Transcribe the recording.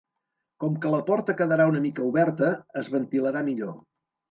Com que la porta quedarà una mica oberta, es ventilarà millor.